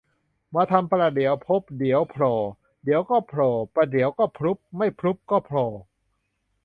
มาทำประเดี๋ยวผลุบเดี๋ยวโผล่ เดี๋ยวก็โผล่ประเดี๋ยวก็ผลุบไม่ผลุบก็โผล่